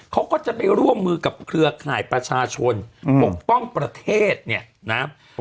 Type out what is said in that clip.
เขาก็จะไปร่วมมือกับเครือข่ายประชาชนปกป้องประเทศเนี่ยนะ